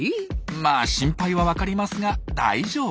まあ心配は分かりますが大丈夫。